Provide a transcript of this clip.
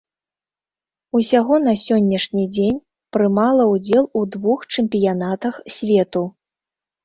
Усяго на сённяшні дзень прымала ўдзел у двух чэмпіянатах свету.